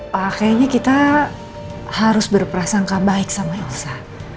kayaknya kita harus berperasangka baik sama elsa